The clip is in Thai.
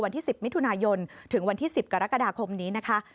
วันที่๑๐มิถุนายนถึงวันที่๑๐กรกฎาคมนี้นะคะ